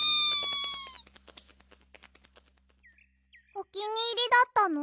おきにいりだったの？